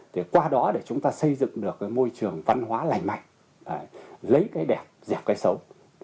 thì qua đó để chúng ta xây dựng được cái môi trường văn hóa lành mạnh lấy cái đẹp dẹp cái xấu